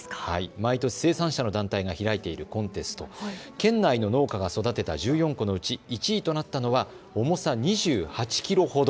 毎年生産者の団体が開いているコンテスト県内の農家が育てた１４個のうち１位となったのは重さ２８キロほど。